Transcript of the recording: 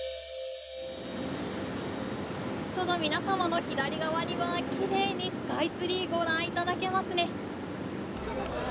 ちょうど皆様の左側にはきれいにスカイツリーご覧頂けますね。